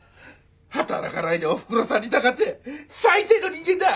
働かないでおふくろさんにたかって最低の人間だ！